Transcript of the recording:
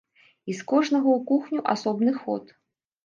І з кожнага ў кухню асобны ход.